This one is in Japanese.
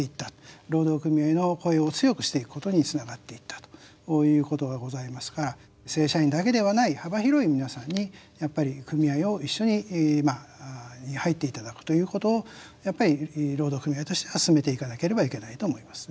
労働組合の声を強くしていくことにつながっていったということがございますが正社員だけではない幅広い皆さんにやっぱり組合を一緒にまあ入っていただくということをやっぱり労働組合としては進めていかなければいけないと思います。